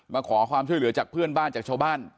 มาขอความช่วยเหลือจากเพื่อนบ้านจากชาวบ้าน